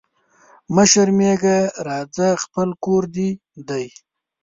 مه شرمېږه راځه خپل کور دي دی